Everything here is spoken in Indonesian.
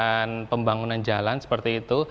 dan di sini juga ada anggaran dana desa untuk pekerjaan